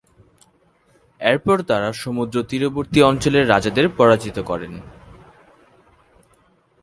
এরপর তাঁরা সমুদ্রতীরবর্তী অঞ্চলের রাজাদের পরাজিত করেন।